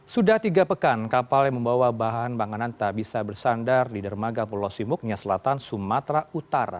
sudah tiga pekan kapal yang membawa bahan banganan tak bisa bersandar di dermaga pulau simuk nia selatan sumatera utara